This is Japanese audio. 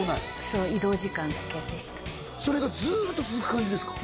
そう移動時間だけでしたそれがずっと続く感じですか？